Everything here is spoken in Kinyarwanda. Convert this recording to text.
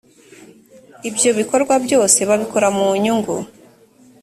ibyo bikorwa byose babikora mu nyungu